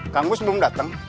kang gus belum datang